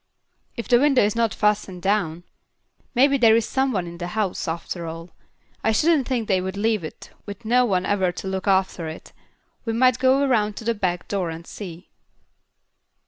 "If the window is not fastened down. Maybe there is some one in the house, after all. I shouldn't think they would leave it with no one ever to look after it. We might go around to the back door and see."